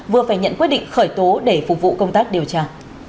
vừa phải nhận quyết định khởi tố để phục vụ công tác điều tra